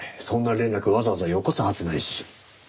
そんな連絡わざわざよこすはずないし。